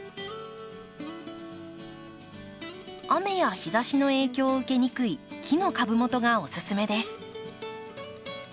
雨や日ざしの影響を受けにくい木の株元がおすすめです。